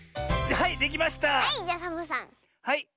はい。